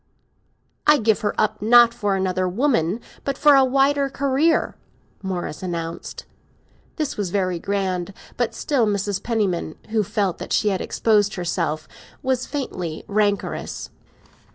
"I give her up, not for another woman, but for a wider career!" Morris announced. This was very grand; but still Mrs. Penniman, who felt that she had exposed herself, was faintly rancorous.